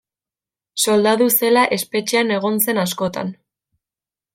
Soldadu zela espetxean egon zen askotan.